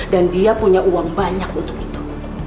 dan dia punya uang banyak untuk itu